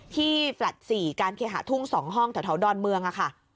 ที่แฟลต์๔การเคหาทุ่ง๒ห้องทะเทาดอนเมืองอะค่ะ